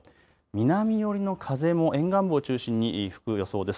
南寄りの風も沿岸部を中心に吹く予想です。